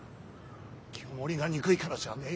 清盛が憎いからじゃねえ。